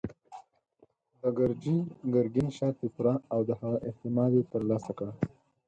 د ګرجي ګرګين شرط يې پوره او د هغه اعتماد يې تر لاسه کړ.